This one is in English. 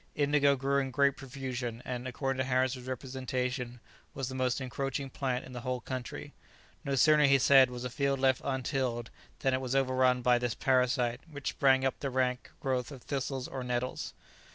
Indigo grew in great profusion, and, according to Harris's representation, was the most encroaching plant in the whole country; no sooner, he said, was a field left untilled, than it was overrun by this parasite, which sprang up with the rank growth of thistles or nettles.